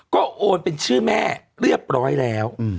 ก็โอนเป็นชื่อแม่เรียบร้อยแล้ว